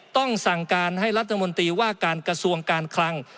ต้องสั่งการให้รัฐมนตรีว่าการกระทรวงการคลัง